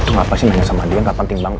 ngapasih nanya sama dia gak penting banget